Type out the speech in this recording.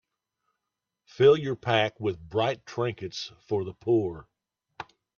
Fill your pack with bright trinkets for the poor.